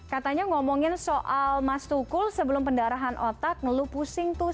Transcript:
katanya ngomongin soal mas tukul sebelum pendarahan otak ngeluh pusing tuh